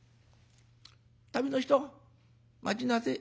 「旅の人待ちなせえ。